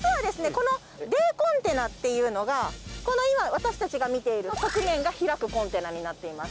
このＤコンテナっていうのがこの今私たちが見ている側面が開くコンテナになっています。